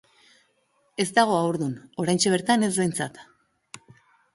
Ez dago haurdun, oraintxe bertan ez behintzat.